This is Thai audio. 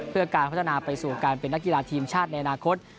เพื่อการพัฒนาไปสู่การเป็นนักกีฬาทีมชาติในอนาคต